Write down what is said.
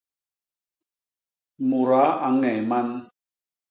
Mudaa a ñee man.